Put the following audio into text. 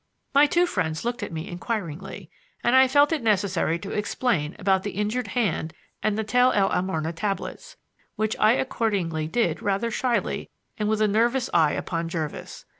My two friends looked at me inquiringly, and I felt it necessary to explain about the injured hand and the Tell el Amarna tablets; which I accordingly did rather shyly and with a nervous eye upon Jervis.